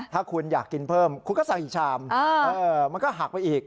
ถ้าคุณอยากกินเพิ่มคุณก็สั่งอีกชามมันก็หักไปอีก